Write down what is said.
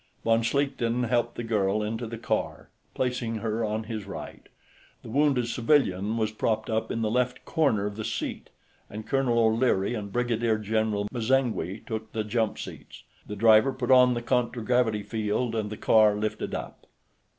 Von Schlichten helped the girl into the car, placing her on his right. The wounded civilian was propped up in the left corner of the seat, and Colonel O'Leary and Brigadier General M'zangwe took the jump seats. The driver put on the contragravity field, and the car lifted up.